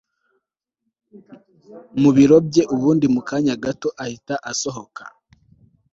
mubiro bye ubundi mukanya gato ahita asohoka